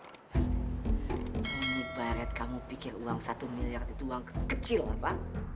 ibarat kamu pikir uang satu miliar itu uang kecil apa